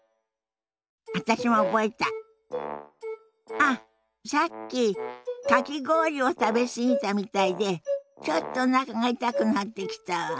あっさっきかき氷を食べ過ぎたみたいでちょっとおなかが痛くなってきたわ。